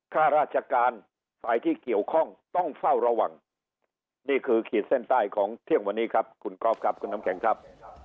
ข้าราชการฝ่ายที่เกี่ยวข้องต้องเฝ้าระวังนี่คือขีดเส้นใต้ของเที่ยงวันนี้ครับคุณกอล์ฟครับคุณน้ำแข็งครับ